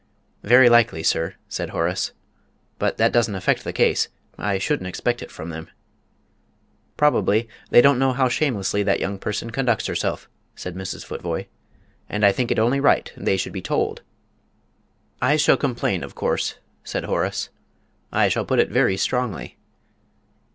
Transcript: "Very likely, sir," said Horace; "but that doesn't affect the case. I shouldn't expect it from them." "Probably they don't know how shamelessly that young person conducts herself," said Mrs. Futvoye. "And I think it only right that they should be told." "I shall complain, of course," said Horace. "I shall put it very strongly."